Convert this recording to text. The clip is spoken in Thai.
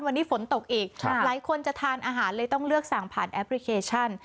วันนี้ฝนตกอีกหลายคนจะทานอาหารเลยต้องเลือกสั่งผ่านแอปพลิเคชัน